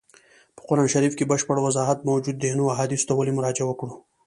په قرآن شریف کي بشپړ وضاحت موجود دی نو احادیثو ته ولي مراجعه وکړو.